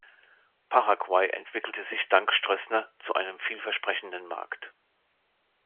Paraguay entwickelte sich dank Stroessner zu einem vielversprechenden Markt.